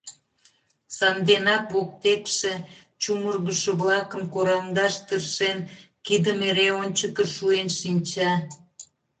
Санденак воктекше чумыргышо-влакым кораҥдаш тыршен, кидым эре ончыко шуен шинча.